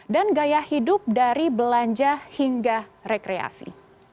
gaya hidup dari belanja hingga rekreasi